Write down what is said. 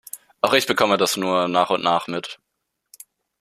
Auch ich bekomme das nur nach und nach mit.